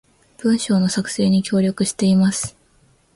文章の作成に協力しています